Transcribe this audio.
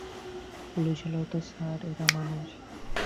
Police হলেও তো sir এরা মানুষ।